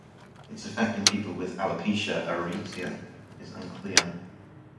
Its effect in people with alopecia areata is unclear.